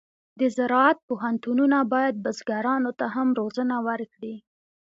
د زراعت پوهنتونونه باید بزګرانو ته هم روزنه ورکړي.